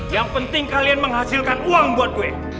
yang penting kalian menghasilkan uang buat kue